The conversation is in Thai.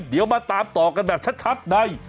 เดี๋ยวมาตามต่อกันแบบชัดใน